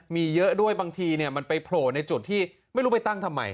มีเยอะด้วยบางทีมันไปโผล่ในจุดที่ไม่รู้ไปตั้งทำไม